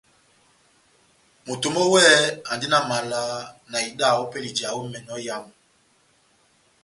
Moto mɔ́ wɛ́hɛ́pi andi na mala na ida ópɛlɛ ya ija ó emɛnɔ éyamu.